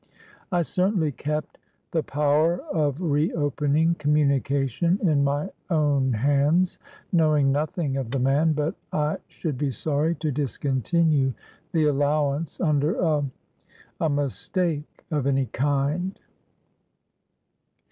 "I certainly kept the power of reopening communication in my own hands, knowing nothing of the man; but I should be sorry to discontinue the allowance under a—a mistake of any kind."